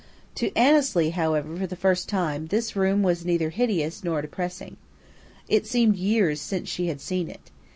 To Annesley, however, for the first time, this room was neither hideous nor depressing. It seemed years since she had seen it.